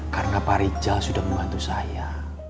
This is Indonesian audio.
karena pak rijal sudah membantu saya